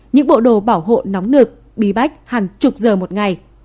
những bộ đồ bảo hộ nóng nực bí bách hàng chục giờ một ngày